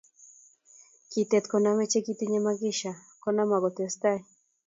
Kitet koname che kitinye makisha konam ako testai